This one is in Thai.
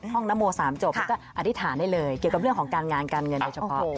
นโม๓จบแล้วก็อธิษฐานได้เลยเกี่ยวกับเรื่องของการงานการเงินโดยเฉพาะ